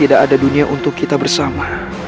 tidak ada dunia untuk kita bersama